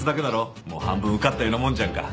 もう半分受かったようなもんじゃんか。